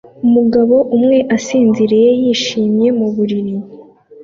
Umugabo umwe asinziriye yishimye mu buriri